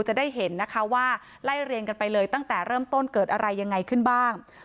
จะได้เห็นนะคะว่าไล่เรียงกันไปเลยตั้งแต่เริ่มต้นเกิดอะไรยังไงขึ้นบ้าง